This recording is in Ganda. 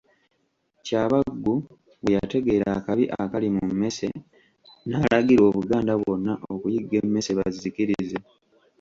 Kyabaggu bwe yategeera akabi akali mu mmese, n'alagira Obuganda bwonna okuyigga emmese bazizikirize.